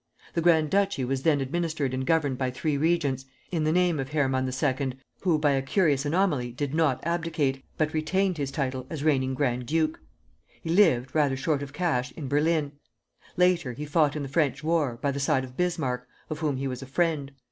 The grand duchy was then administered and governed by three regents, in the name of Hermann II., who, by a curious anomaly, did not abdicate, but retained his title as reigning grand duke. He lived, rather short of cash, in Berlin; later, he fought in the French war, by the side of Bismarck, of whom he was a friend.